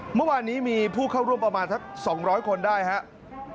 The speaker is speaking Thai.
เมื่อวานนี้มีผู้เข้าร่วมประมาณสัก๒๐๐คนได้ครับ